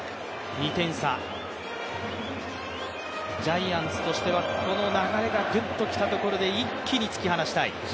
ジャイアンツとしてはこの流れがぐっときたところで、一気に突き放したい。